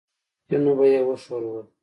تيونه به يې وښورول.